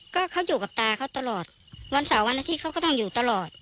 ก็เขาอยู่กับตาเขาตลอดวันเสาร์วันอาทิตย์เขาก็ต้องอยู่ตลอด